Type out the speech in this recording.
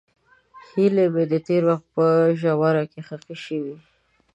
هیلې مې د تېر وخت په ژوره کې ښخې شوې.